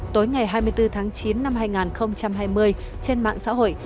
tối ngày hai mươi bốn tháng chín năm hai nghìn hai mươi trên mạng xã hội